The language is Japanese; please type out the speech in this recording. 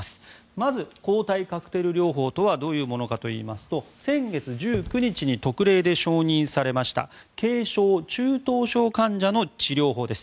まず抗体カクテル療法とはどういうものかといいますと先月１９日に特例で承認されました軽症・中等症患者の治療法です。